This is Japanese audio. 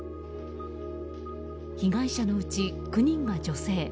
被害者のうち９人が女性。